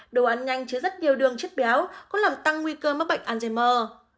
đồ ăn nhanh chứa rất nhiều đường chất béo cũng làm tăng nguy cơ mắc bệnh alzheimer